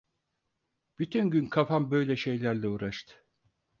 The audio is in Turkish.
Bütün gün kafam böyle şeylerle uğraştı.